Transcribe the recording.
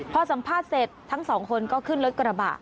พอสัมภาษณ์เสร็จทั้งสองคนก็ขึ้นรถกระบะ